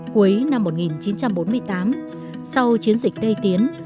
cuối năm một nghìn chín trăm bốn mươi tám sau chiến dịch tây tiến